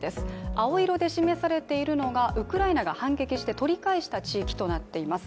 青色で示されているのがウクライナが反撃して取り返した地域となっています。